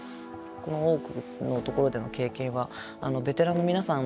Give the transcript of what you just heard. この「大奥」のところでの経験はベテランの皆さん